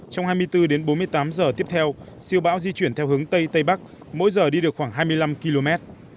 trong hai mươi bốn đến bốn mươi tám giờ tiếp theo siêu bão di chuyển theo hướng tây tây bắc mỗi giờ đi được khoảng hai mươi năm km